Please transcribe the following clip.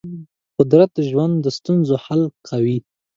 قدرت د ژوند د ستونزو حل کوي.